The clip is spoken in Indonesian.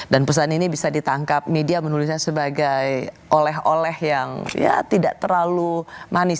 dan pesan ini bisa ditangkap media menulisnya sebagai oleh oleh yang ya tidak terlalu manis